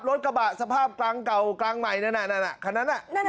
รถกระบะสภาพเก่าไม่นั้นขนาดนั้น